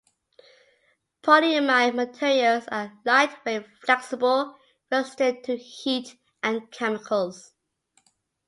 Polyimide materials are lightweight, flexible, resistant to heat and chemicals.